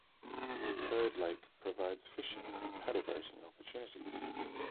Byrd Lake provides fishing and paddleboating opportunities.